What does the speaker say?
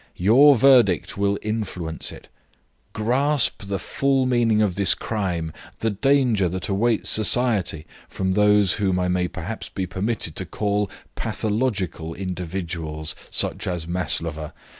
Your verdict will influence it. Grasp the full meaning of this crime, the danger that awaits society from those whom I may perhaps be permitted to call pathological individuals, such as Maslova.